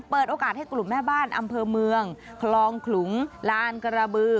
เปิดโอกาสให้กลุ่มแม่บ้านอำเภอเมืองคลองขลุงลานกระบือ